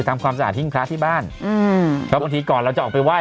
ทำความสะอาดทิ้งคลาสที่บ้านเพราะบางทีก่อนเราจะออกไปไหว้